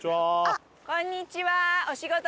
こんにちは！